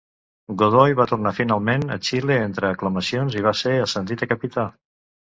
Godoy va tornar finalment a Chile entre aclamacions i va ser ascendit a capità.